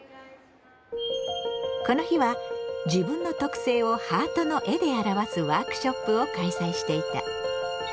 この日は自分の特性をハートの絵で表すワークショップを開催していた。